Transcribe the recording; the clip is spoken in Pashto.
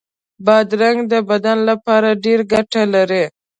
بادرنګ د بدن لپاره ډېره ګټه لري.